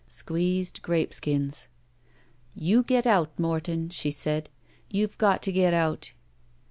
Squeezed grape skins. You get out, Morton," she said. '* You've got to get out."